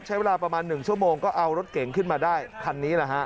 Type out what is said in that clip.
ใช้เวลาประมาณ๑ชั่วโมงก็เอารถเก่งขึ้นมาได้คันนี้แหละฮะ